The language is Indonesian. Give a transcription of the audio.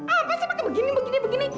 apa sih pakai begini begini begini